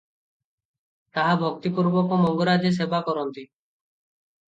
ତାହା ଭକ୍ତି ପୂର୍ବକ ମଙ୍ଗରାଜେ ସେବାକରନ୍ତି ।